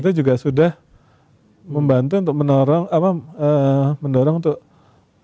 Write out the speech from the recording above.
kita juga sudah membantu untuk mendorong apa mendorong untuk